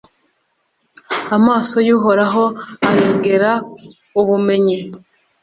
Amaso y’Uhoraho arengera ubumenyi